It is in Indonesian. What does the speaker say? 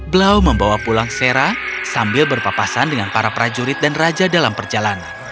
blau membawa pulang sera sambil berpapasan dengan para prajurit dan raja dalam perjalanan